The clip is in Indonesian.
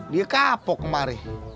dia kapok kemari